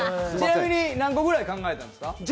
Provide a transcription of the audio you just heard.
ちなみに何個ぐらい考えたんですか？